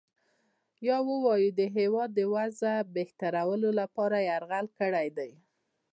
یا ووایو د هیواد د وضع بهترولو لپاره یرغل کړی دی.